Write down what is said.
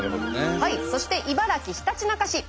そして茨城ひたちなか市。